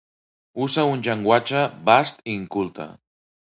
Usa un llenguatge bast i inculte.